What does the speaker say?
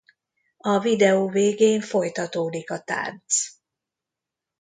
A videó végén folytatódik a tánc.